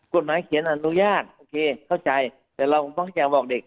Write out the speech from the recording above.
กฎหมายเขียนอนุญาตโอเคเข้าใจแต่เราต้องอยากบอกเด็ก